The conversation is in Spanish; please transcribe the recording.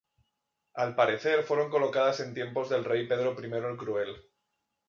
Al parecer fueron colocadas en tiempos del rey Pedro I el Cruel.